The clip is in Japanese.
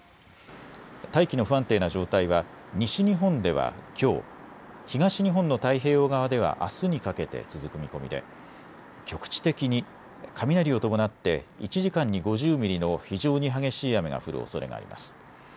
大気の不安定な状態は西日本ではきょう、東日本の太平洋側ではあすにかけて続く見込みで局地的に雷を伴って１時間に５０ミリの非常に激しい雨が降るおそれがあります。